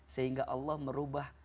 sehingga allah merubah takdirnya